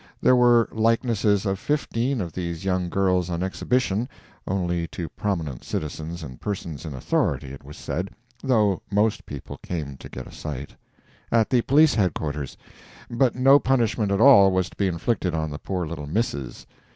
There were likenesses of fifteen of these young girls on exhibition (only to prominent citizens and persons in authority, it was said, though most people came to get a sight) at the police headquarters, but no punishment at all was to be inflicted on the poor little misses.